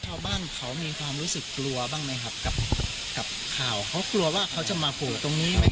ชาวบ้านเขามีความรู้สึกกลัวบ้างไหมครับกับข่าวเขากลัวว่าเขาจะมาโผล่ตรงนี้ไหม